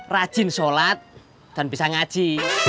rajin sholat dan bisa ngaji